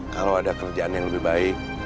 kalau ada kerjaan yang lebih baik